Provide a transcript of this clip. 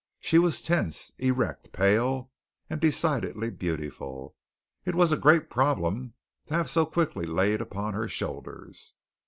She was tense, erect, pale and decidedly beautiful. It was a great problem to have so quickly laid upon her shoulders.